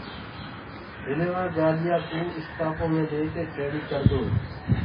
ڊليور گآڏِيآ ڪو اسٽآپو مي ليڪي کيڙو ڪردوئي